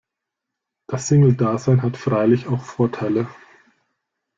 Das Single-Dasein hat freilich auch Vorteile.